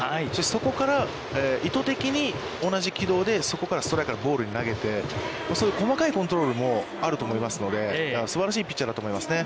そこから、意図的に同じ軌道でそこからストライク、ボールに投げて、細かいコントロールもあると思いますので、すばらしいピッチャーだと思いますね。